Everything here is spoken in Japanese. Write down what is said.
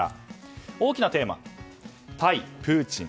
大きなテーマ、対プーチン。